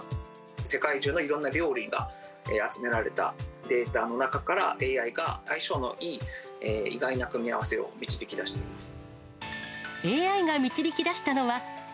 世界中のいろんな料理が集められたデータの中から、ＡＩが相性のいい意外な組み合わせを導き出しています。